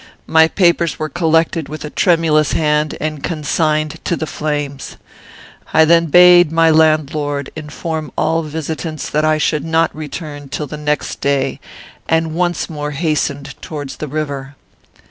My papers were collected with a tremulous hand, and consigned to the flames. I then bade my landlord inform all visitants that I should not return till the next day, and once more hastened towards the river.